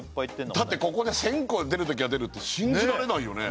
ねだってここで１０００個出るときは出るって信じられないよね